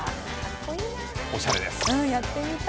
おしゃれです。